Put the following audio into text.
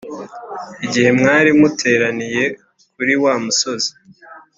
igihe mwari muteraniye kuri wa musozi.